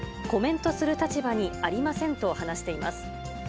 コメントする立場にありませんと話しています。